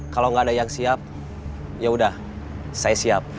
kalau nggak ada yang siap yaudah saya siap